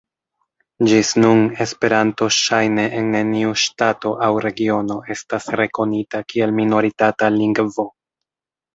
Ĝis nun Esperanto ŝajne en neniu ŝtato aŭ regiono estas rekonita kiel minoritata lingvo.